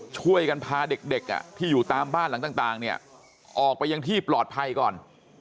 ช่วยกันพาเด็กที่อยู่ตามบ้านหลังต่างออกไปยังที่ปลอดภัยก่อน